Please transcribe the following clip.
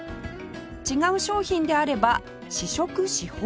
違う商品であれば試食し放題！